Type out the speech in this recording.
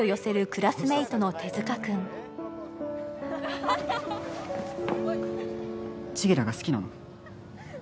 クラスメイトの手塚君千輝が好きなの？